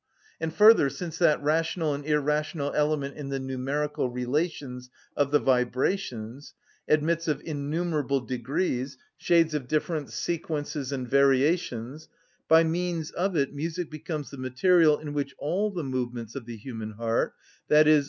And further, since that rational and irrational element in the numerical relations of the vibrations admits of innumerable degrees, shades of difference, sequences, and variations, by means of it music becomes the material in which all the movements of the human heart, _i.e.